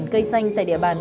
hai cây xanh tại địa bàn